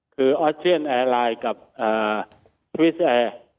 คือออสเชียนแอร์ไลน์กับสวิสแอร์